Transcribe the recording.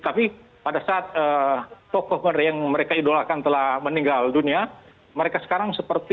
tapi pada saat tokoh yang mereka idolakan telah meninggal dunia mereka sekarang seperti